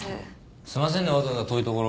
すいませんねわざわざ遠いところ。